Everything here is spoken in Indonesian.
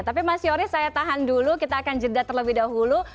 tapi mas yoris saya tahan dulu kita akan jeda terlebih dahulu